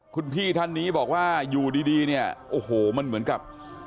คุณพี่ท่านนี้บอกว่าอยู่ดีเนี่ยโอ้โหมันเหมือนกับ